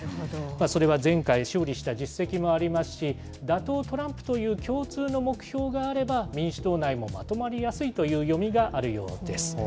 それは前回勝利した実績もありますし、打倒トランプという共通の目標があれば、民主党内もまとまりやすいという読みがあるようです。